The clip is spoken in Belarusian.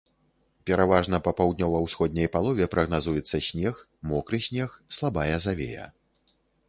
Пераважна па паўднёва-ўсходняй палове прагназуецца снег, мокры снег, слабая завея.